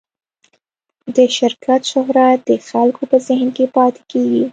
د شرکت شهرت د خلکو په ذهن کې پاتې کېږي.